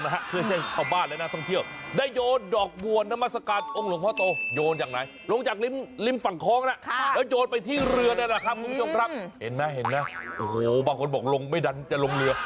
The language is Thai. เห็นไหมโอ้โฮบางคนบอกลงไม่ดันจะลงเรือ